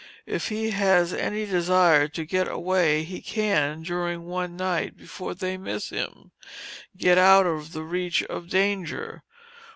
If he has any desire to get away, he can, during one night, before they miss him, get out of the reach of danger.